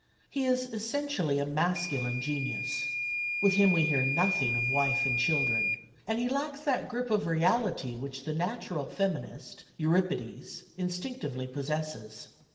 He is essentially a masculine genius (with him we hear nothing of wife and children), and he lacks that grip of reality which the natural feminist, Euripides, instinctively possesses.